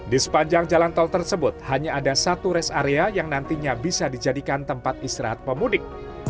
di sepanjang jalan tol tersebut hanya ada satu rest area yang nantinya bisa dijadikan tempat istirahat pemudik